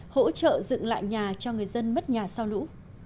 hỗ trợ dựng lại nhà cho người dân mất nhà sau lũ